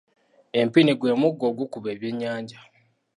Empini gwe muggo ogukuba ebyennyanja.